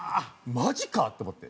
マジかと思って。